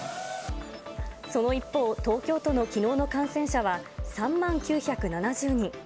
その一方、東京都のきのうの感染者は３万９７０人。